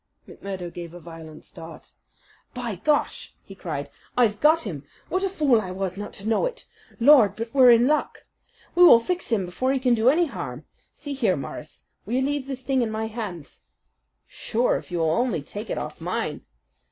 McMurdo gave a violent start. "By Gar!" he cried, "I've got him. What a fool I was not to know it. Lord! but we're in luck! We will fix him before he can do any harm. See here, Morris, will you leave this thing in my hands?" "Sure, if you will only take it off mine."